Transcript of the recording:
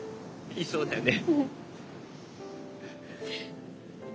言いそうだよね。